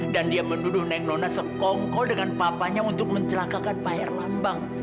dan dia menduduh nen nona sekongkol dengan papanya untuk mencelakakan pak herlambang